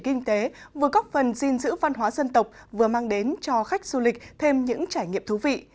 kinh tế vừa góp phần gìn giữ văn hóa dân tộc vừa mang đến cho khách du lịch thêm những trải nghiệm thú vị